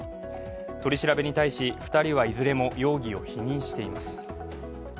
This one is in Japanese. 取り調べに対し、２人はいずれも容疑を否認しています。